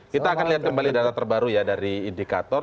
kita akan lihat kembali data terbaru ya dari indikator